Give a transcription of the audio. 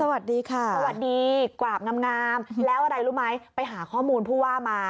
สวัสดีค่ะสวัสดีกราบงามแล้วอะไรรู้ไหมไปหาข้อมูลผู้ว่ามา